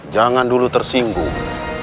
jangan dulu tersinggung